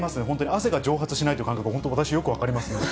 汗が蒸発しないという感覚、これは私よく分かりますね。